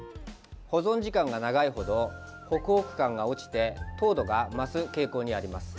保存時間が長いほどホクホク感が落ちて糖度が増す傾向にあります。